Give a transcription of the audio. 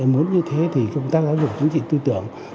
muốn như thế thì công tác giáo dục chính trị tư tưởng